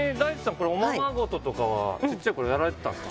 これおままごととかは小さい頃やられてたんですか？